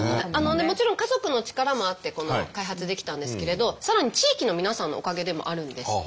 もちろん家族の力もあって開発できたんですけれどさらに地域の皆さんのおかげでもあるんですって。